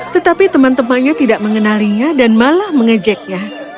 tetapi teman temannya tidak mengenalinya dan malah mengejeknya